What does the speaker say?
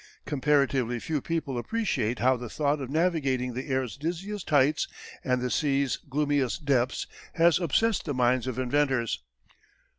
Comparatively few people appreciate how the thought of navigating the air's dizziest heights and the sea's gloomiest depths has obsessed the minds of inventors.